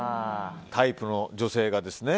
タイプの女性がですね。